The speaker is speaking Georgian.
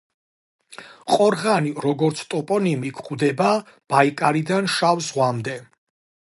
ყორღანი როგორც ტოპონიმი გვხვდება ბაიკალიდან შავ ზღვამდე.